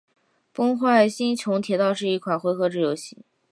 《崩坏：星穹铁道》是一款回合制游戏。